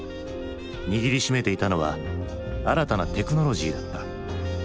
握りしめていたのは新たなテクノロジーだった。